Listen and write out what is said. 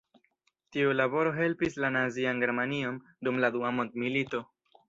Tiu laboro helpis la nazian Germanion dum la dua mondmilito.